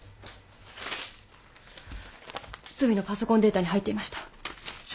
堤のパソコンデータに入っていました。